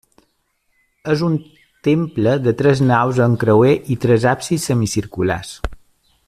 És un temple de tres naus amb creuer i tres absis semicirculars.